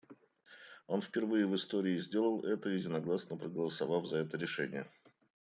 Он впервые в истории сделал это, единогласно проголосовав за это решение.